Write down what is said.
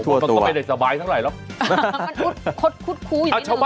ตัวตัวตัวต้องไปได้สบายทั้งหลายหรอกมันอุ๊ดคดคุดคูอยู่อย่างนี้หนึ่งอ่า